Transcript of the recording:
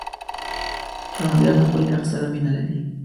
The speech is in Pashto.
کروندګر د خپل کښت سره مینه لري